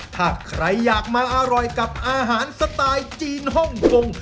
ถ้าใครอยากมาอร่อยกับอาหารสไตล์จีนฮ่องกง